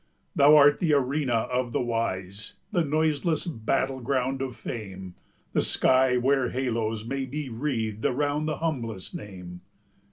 Thou art the arena of the wise, The noiseless battle ground of fame; The sky where halos may be wreathed Around the humblest name.